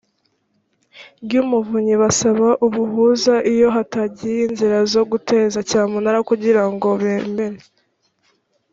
rw umuvunyi basaba ubuhuza iyo hatangiye inzira zo guteza cyamunara kugira ngo bemere